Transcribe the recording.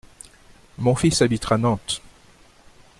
Mon fils habitera Nantes…